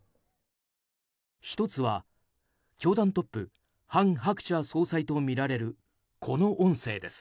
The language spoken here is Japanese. １つは、教団トップ韓鶴子総裁とみられるこの音声です。